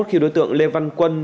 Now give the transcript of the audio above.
khi đối tượng lê văn quân